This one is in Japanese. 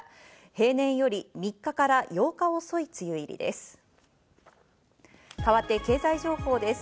平年より３日から８日遅い梅雨入りです。